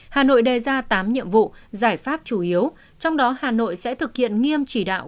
hà nội đề ra tám nhiệm vụ giải pháp chủ yếu trong đó hà nội sẽ thực hiện nghiêm chỉ đạo